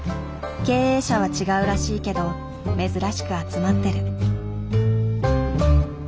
経営者は違うらしいけど珍しく集まってる。